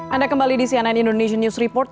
anda kembali di cnn indonesian news report